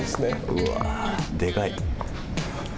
うわー、でかい。